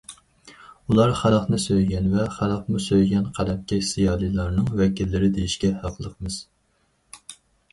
ئۇلار خەلقنى سۆيگەن ۋە خەلقمۇ سۆيگەن قەلەمكەش زىيالىيلارنىڭ ۋەكىللىرى دېيىشكە ھەقلىقمىز.